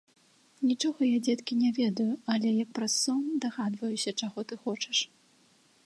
Нічога я, дзеткі, не ведаю, але, як праз сон, дагадваюся, чаго ты хочаш.